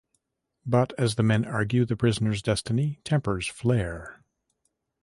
But as the men argue the prisoner's destiny, tempers flare.